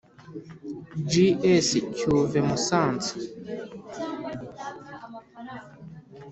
G S Cyuve Musanze